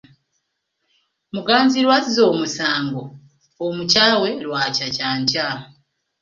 Muganzirwazza omusango omukyawe lwakyakyankya.